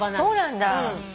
そうなんだ。